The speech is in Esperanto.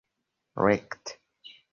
rekte